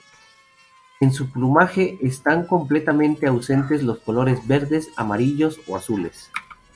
En su plumaje están completamente ausentes los colores verdes, amarillos o azules.